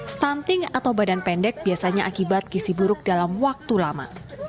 stunting atau badan pendek biasanya akibat gisi buruk dalam waktu lama